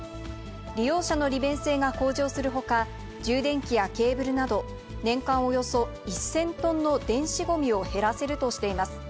利用者の利便性が向上するほか、充電器やケーブルなど、年間およそ１０００トンの電子ごみを減らせるとしています。